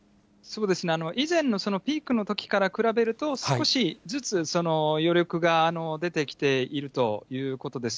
以前のそのピークのときから比べると、少しずつ余力が出てきているということです。